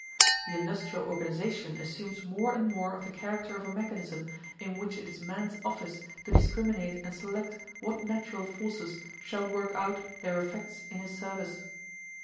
The industrial organization assumes more and more of the character of a mechanism, in which it is man's office to discriminate and select what natural forces shall work out their effects in his service.